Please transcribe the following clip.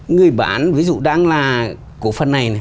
người bán ví dụ đang là cổ phần này